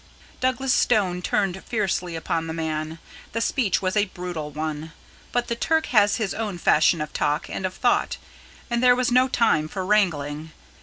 Douglas Stone turned fiercely upon the man. The speech was a brutal one. But the Turk has his own fashion of talk and of thought, and there was no time for wrangling.